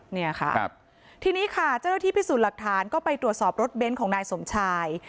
เนี่ยค่ะทีนี้ค่ะเจ้าหน้าที่พิสูจน์หลักฐานก็ไปตรวจสอบรถเบนท์ของนายสมชาย